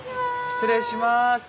失礼します。